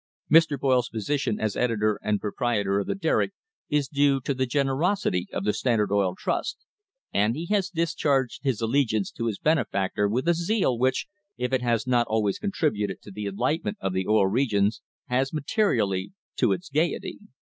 Mr. Boyle's position as editor and pro prietor of the Derrick is due to the generosity of the Stand ard Oil Trust, and he has discharged his allegiance to his benefactor with a zeal which, if it has not always' contributed to the enlightenment of the Oil Regions, has, materially, to its gaiety.